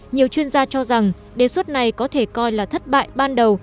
nhiều chuyên gia cho rằng đề xuất này có thể coi là thất bại ban đầu